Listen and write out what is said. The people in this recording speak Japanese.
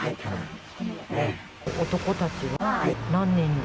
男たちは何人で？